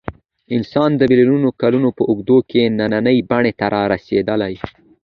انسان د میلیونونو کلونو په اوږدو کې نننۍ بڼې ته رارسېدلی.